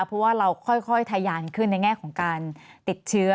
เพราะว่าเราค่อยทะยานขึ้นในแง่ของการติดเชื้อ